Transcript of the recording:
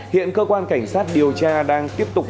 hiện cơ quan cảnh sát điều tra đang tiếp tục